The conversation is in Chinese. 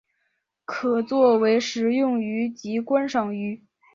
可做为食用鱼及观赏鱼。